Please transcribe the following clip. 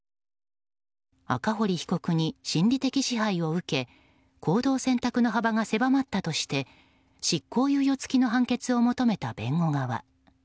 赤堀被告に心理的支配を受け行動選択の幅が狭まったとして執行猶予付きの判決を求めた弁護側。